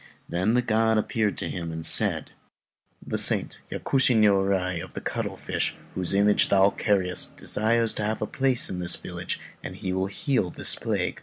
Then the god appeared to him, and said "The saint Yakushi Niurai of the Cuttlefish, whose image thou carriest, desires to have his place in this village, and he will heal this plague.